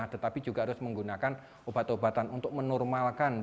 tetapi juga harus menggunakan obat obatan untuk menurmal kegawatannya